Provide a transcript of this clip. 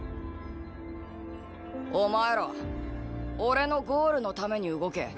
お前ら俺のゴールのために動け。